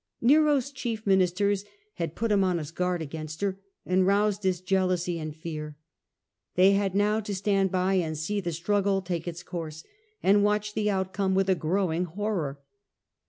Nero's chief ministers had put him on his guard against her and roused his jealousy and fear. They had now to was carried Stand by and see the struggle take its course, by him to and watch the outcome with a growing horror.